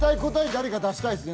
誰か出したいですね